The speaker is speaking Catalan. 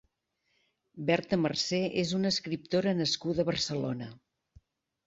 Berta Marsé és una escriptora nascuda a Barcelona.